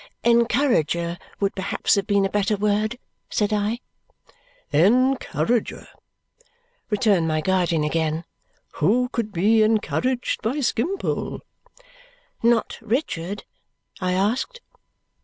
"Encourager would perhaps have been a better word," said I. "Encourager!" returned my guardian again. "Who could be encouraged by Skimpole?" "Not Richard?" I asked.